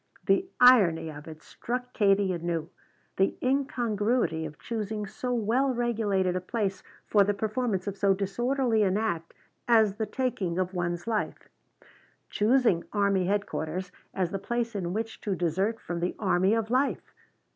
The irony of it struck Katie anew: the incongruity of choosing so well regulated a place for the performance of so disorderly an act as the taking of one's life. Choosing army headquarters as the place in which to desert from the army of life!